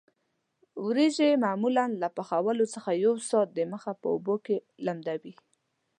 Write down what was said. وریجې معمولاً له پخولو څخه څو ساعته د مخه په اوبو کې لمدوي.